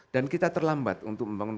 dan kita terlambat untuk membangun